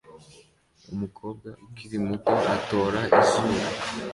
Umukobwa ukiri muto atora izuru